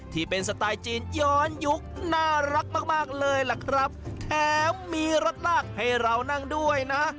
ที่เป็นสไตล์จีนย้อนยุคน่ารักมากมากเลยล่ะครับแถมมีรถลากให้เรานั่งด้วยนะ